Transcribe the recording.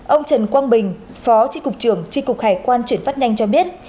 ông trần quang bình phó trị cục trưởng trị cục hải quan chuyển phát nhanh cho biết